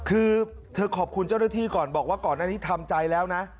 คือเธอขอบคุณเจ้าหน้าที่ก่อนบอกว่าก่อนหน้านี้ทำใจแล้วนะ